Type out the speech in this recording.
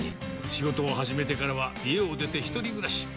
仕事を始めてからは家を出て１人暮らし。